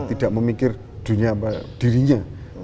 tidak memikir dunia apa dirinya